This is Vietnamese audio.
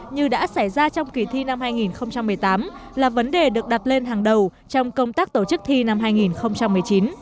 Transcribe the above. như đã xảy ra trong kỳ thi năm hai nghìn một mươi tám là vấn đề được đặt lên hàng đầu trong công tác tổ chức thi năm hai nghìn một mươi chín